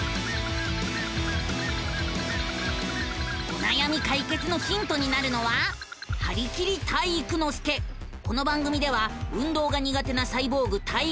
おなやみ解決のヒントになるのはこの番組では運動が苦手なサイボーグ体育ノ